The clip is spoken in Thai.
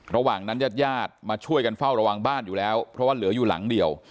ระหว่างนั้นญาติญาติมาช่วยกันเฝ้าระวังบ้านอยู่แล้วเพราะว่าเหลืออยู่หลังเดียว